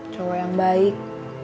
cowok yang baik